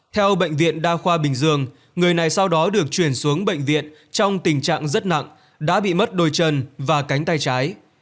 theo bệnh viện đa khoa bình dương người này sau đó được chuyển xuống bệnh viện trong tình trạng rất nặng đã bị mất đôi chân và cánh tay trái